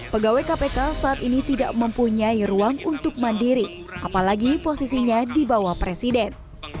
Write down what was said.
pegawai kpk saat ini tidak mempunyai ruang untuk mandiri apalagi posisinya di bawah presiden